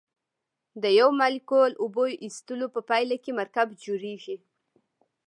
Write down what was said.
د یو مالیکول اوبو ایستلو په پایله کې مرکب جوړیږي.